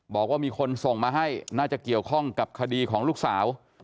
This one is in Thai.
บอกว่ามีคนส่งมาให้น่าจะเกี่ยวข้องกับคดีของลูกสาว